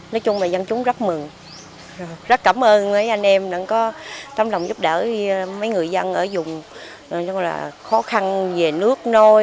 nói chung là dân chúng rất mừng rất cảm ơn anh em đã có tâm lòng giúp đỡ mấy người dân ở vùng khó khăn về nước nôi